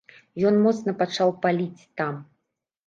Ён моцна пачаў паліць там.